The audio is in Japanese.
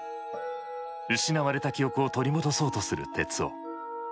失われた記憶を取り戻そうとする徹生。